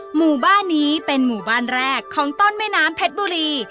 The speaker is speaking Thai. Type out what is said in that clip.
หมู่บ้านนี้เป็นหมู่บ้านแรกของต้นแม่น้ำเพชรบุรี